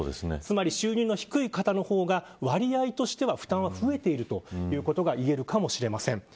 収入が低い方のほうが割合としては負担が増えているということがいえるかもしれません。